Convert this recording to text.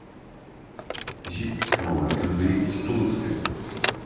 Jeep é uma marca de veículos todo-terreno.